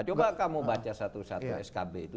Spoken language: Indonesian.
coba kamu baca satu satu skb itu